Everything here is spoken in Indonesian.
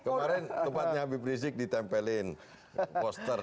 kemarin tempatnya habib rizik ditempelin poster